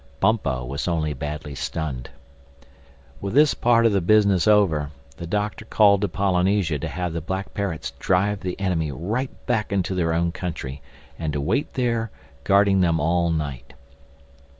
Bumpo was only badly stunned. With this part of the business over, the Doctor called to Polynesia to have the Black Parrots drive the enemy right back into their own country and to wait there, guarding them all night.